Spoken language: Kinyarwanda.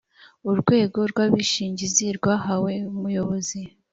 urwego rw’ abishingizi rwahawe umuyobozi